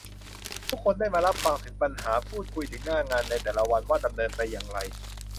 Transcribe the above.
ทุกคนได้มารับฟังถึงปัญหา พูดคุยถึงหน้างานในแต่ละวันว่าดำเนินไปอย่างไร